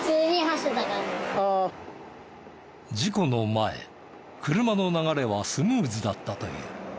事故の前車の流れはスムーズだったという。